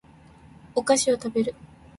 お菓子を食べる